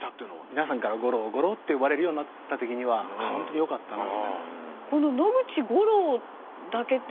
皆さんから「五郎五郎」って呼ばれるようになった時には本当によかったなって。